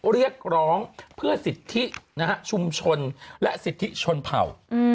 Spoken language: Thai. เรียกร้องเพื่อสิทธิชุมชนและสิทธิชนเผ่า